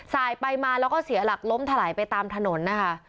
สายไปมาแล้วก็เสียหลักล้มถลายไปตามถนนนะคะ